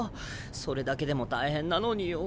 それだけでも大変なのによ。